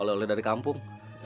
oleh oleh dari kampung